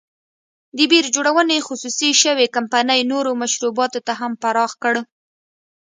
د بیر جوړونې خصوصي شوې کمپنۍ نورو مشروباتو ته هم پراخ کړ.